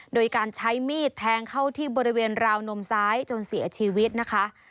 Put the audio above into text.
โดยการใช้มีดแทงเข้าที่บริเวณราวนมซ้ายจนเสียชีวิตนะคะ